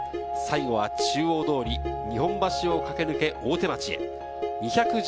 最後は中央通り、日本橋を駆け抜け大手町へ。